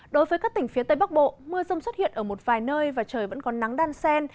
đối với các tỉnh phía tây bắc bộ mưa rông xuất hiện ở một vài nơi và trời vẫn còn nắng đan sen